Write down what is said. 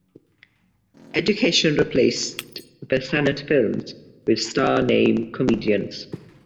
Educational replaced the Sennett films with star-name comedians.